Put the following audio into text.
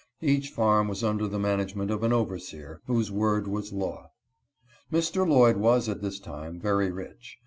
Each farm was under the management of an overseer, whose word was law. 46 SLAVE ETIQUETTE. Mr. Lloyd was, at this time, very rich.